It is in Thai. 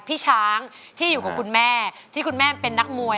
พี่ช้างที่อยู่กับคุณแม่ที่คุณแม่เป็นนักมวย